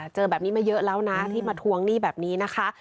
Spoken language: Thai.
เจอแบบนี้มาเยอะแล้วนะที่มาทวงหนี้แบบนี้นะคะ